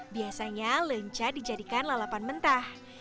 biasanya lenca dijadikan lalapan mentah